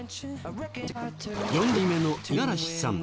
４代目の五十嵐さん